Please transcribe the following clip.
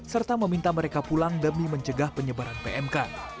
serta meminta mereka pulang demi mencegah penyebaran pmk